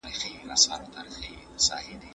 په ایت کي ځینې صورتونه بیان سوي دي.